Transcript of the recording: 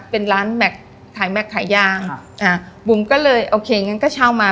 เป็นร้านแม็กทัยแม็กที่ขายยางอ่ะอ่าบุ๋มก็เลยโอเคอย่างงั้นก็เช่ามา